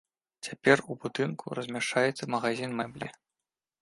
Цяпер у будынку размяшчаецца магазін мэблі.